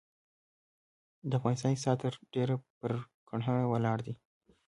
د افغانستان اقتصاد ترډیره پرکرهڼه ولاړ دی.